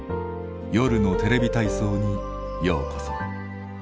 「夜のテレビ体操」にようこそ。